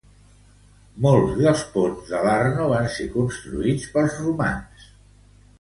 Molts dels ponts de l'Arno van ser construïts pels romans.